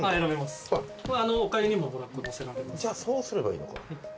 じゃあそうすればいいのか。